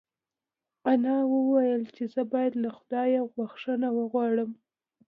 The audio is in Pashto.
انا وویل چې زه باید له خدایه بښنه وغواړم.